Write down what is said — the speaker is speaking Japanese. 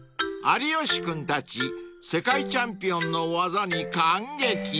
［有吉君たち世界チャンピオンの技に感激］